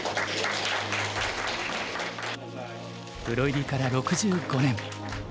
プロ入りから６５年。